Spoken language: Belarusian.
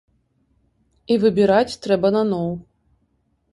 І выбіраць трэба наноў.